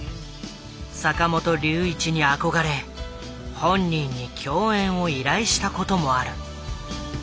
坂本龍一に憧れ本人に共演を依頼したこともある。